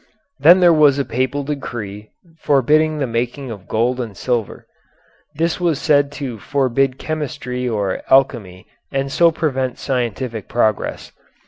Then there was a Papal decree forbidding the making of gold and silver. This was said to forbid chemistry or alchemy and so prevent scientific progress.